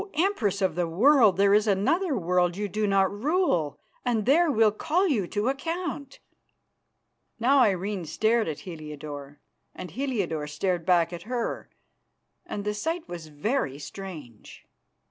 Empress of the World, there is another world you do not rule, and there we'll call you to account." Now Irene stared at Heliodore, and Heliodore stared back at her, and the sight was very strange.